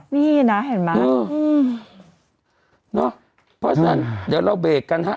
นี่นะเห็นไหมเนอะเพราะฉะนั้นเดี๋ยวเราเบรกกันฮะ